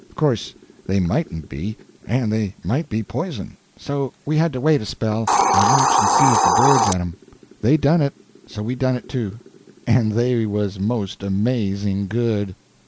Of course they mightn't be, and they might be poison; so we had to wait a spell, and watch and see if the birds et them. They done it; so we done it, too, and they was most amazing good.